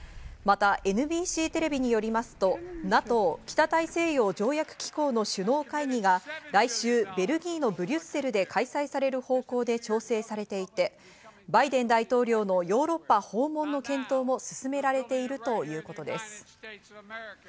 また、ＮＢＣテレビによりますとＮＡＴＯ＝北大西洋条約機構の首脳会議が来週、ベルギーのブリュッセルで開催される方向で調整されていて、バイデン大統領のヨーロッパ訪問の検討も進められているということです。